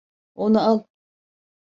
Onu al!